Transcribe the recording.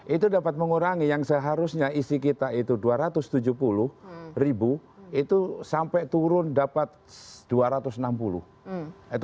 itu dapat mengurangi yang seharusnya isi kita itu dua ratus tujuh puluh ribu itu sampai turun dapat rp dua ratus enam puluh